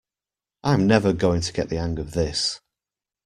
I’m never going to get the hang of this.